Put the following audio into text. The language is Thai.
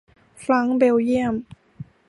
ฟรังก์เบลเยียม